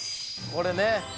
これね。